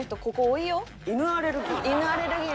犬アレルギー？